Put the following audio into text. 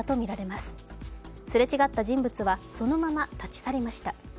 すれ違った人物はそのまま立ち去りました。